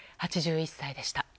８１歳でした。